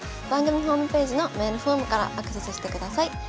番組ホームページのメールフォームからアクセスしてください。